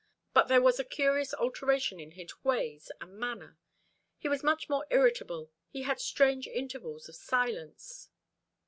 But there was a curious alteration in his ways and manner. He was much more irritable. He had strange intervals of silence."